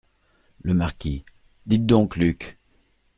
Le Marquis - Dites donc, Luc ?